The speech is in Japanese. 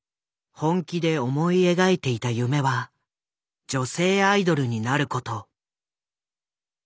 本気で思い描いていた夢は女性アイドルになる事。